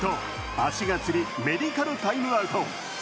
足がつり、メディカルタイムアウト。